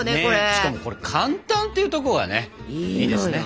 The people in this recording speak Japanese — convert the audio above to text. しかもこれ簡単っていうとこがねいいですね。